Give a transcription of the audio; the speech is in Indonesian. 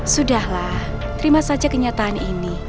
sudahlah terima saja kenyataan ini